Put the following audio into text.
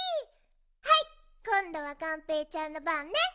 はいこんどはがんぺーちゃんのばんね！